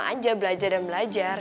aja belajar dan belajar